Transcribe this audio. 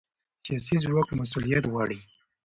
سیاسي ځواک مسؤلیت غواړي